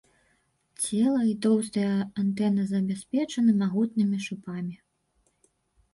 Цела і тоўстыя антэны забяспечаны магутнымі шыпамі.